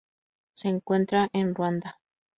Se encuentra en Ruanda.